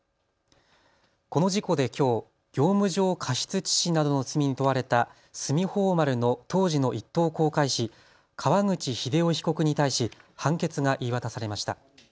この事故できょう業務上過失致死などの罪に問われた、すみほう丸の当時の１等航海士、川口秀雄被告に対し判決が言い渡されました。